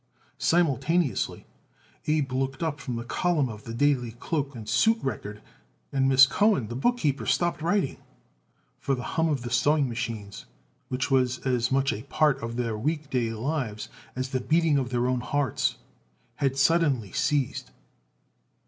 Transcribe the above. Simultaneously Abe looked up from the column of the Daily Cloak and Suit Record and Miss Cohen, the bookkeeper, stopped writing; for the hum of sewing machines, which was as much a part of their weekday lives as the beating of their own hearts, had suddenly ceased.